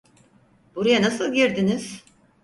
Buraya nasıl girdiniz?